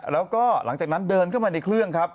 แล้วก็หลังจากนั้นเดินเข้ามาในเครื่องครับ